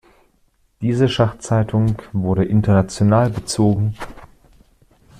Diese Schachzeitung wurde international bezogen.